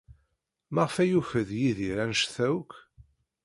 Maɣef ay yukeḍ Yidir anect-a akk?